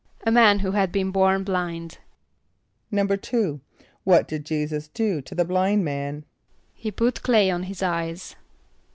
=A man who had been born blind.= =2.= What did J[=e]´[s+]us do to the blind man? =He put clay on his eyes.